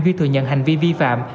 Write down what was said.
duy thừa nhận hành vi vi phạm